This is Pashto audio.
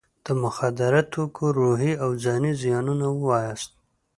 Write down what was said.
د مخدره توکو روحي او ځاني زیانونه ووایاست.